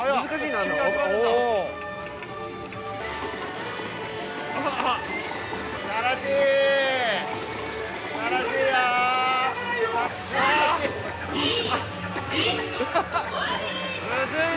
難しい。